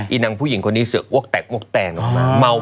นางผู้หญิงคนนี้เสืออ้วกแตกอ้วกแตกออกมา